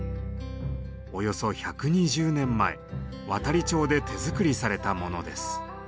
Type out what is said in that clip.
およそ１２０年前亘理町で手作りされたものです。